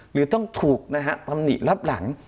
หรือต้องถูกนะครับมีรับหลัง